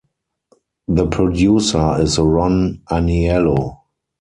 The producer is Ron Aniello.